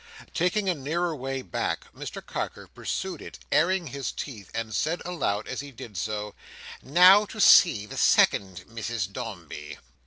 Taking a nearer way back, Mr Carker pursued it, airing his teeth, and said aloud as he did so, "Now to see the second Mrs Dombey!"